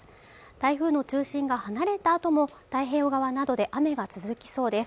台風の中心が離れたあとも太平洋側などで雨が続きそうです